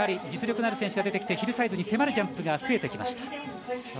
実力のある選手が出てきてヒルサイズに迫るジャンプが増えてきました。